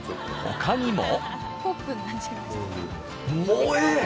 他にも。